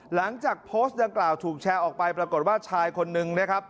หลังจากโพสต์ดังกล่าวถูกแชร์ออกไปปรากฏว่าชายคนนึงนะครับ